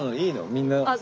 みんな。